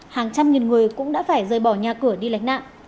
hàng trăm nghìn người cũng đã phải rời bỏ nhà cửa đi lánh nạn